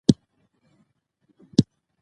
دوی سنګر گرځولی وو.